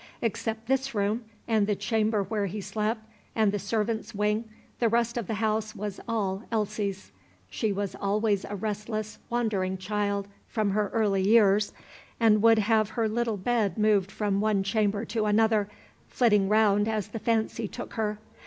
Except this room, and the chamber where he slept, and the servants' wing, the rest of the house was all Elsie's. She was always a restless, wandering child from her early years, and would have her little bed moved from one chamber to another, flitting round as the fancy took her.